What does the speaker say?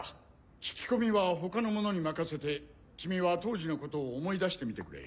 聞き込みは他の者に任せて君は当時のことを思い出してみてくれ。